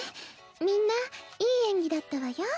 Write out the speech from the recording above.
みんないい演技だったわよ。